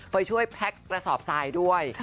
ไปช่วยแพ็คกระสอบทรายด้วย